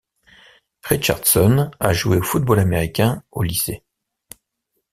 Richardson a joué au football américain au lycée.